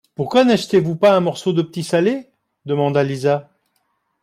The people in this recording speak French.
Pourquoi n’achetez-vous pas un morceau de petit salé? demanda Lisa.